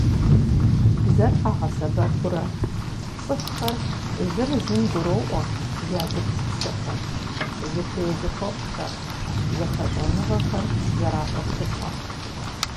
Бзэр къагъэсэбэпурэ цӀыхухэр зыр зым гуроӀуэ, я гупсысэхэр, зыхуей–зыхуэфӀхэр, зэхэщӀэныгъэхэр зэраӀуэтылӀэ.